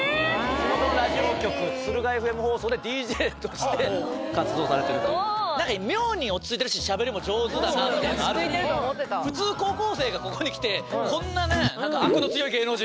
地元のラジオ局敦賀ＦＭ放送でＤＪとして活動されていると何か妙に落ち着いてるししゃべりも上手だなって落ち着いてると思ってた普通高校生がここに来て「アクの強い芸能人」